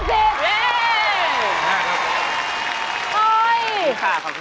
ดีค่ะขอบคุณค่ะ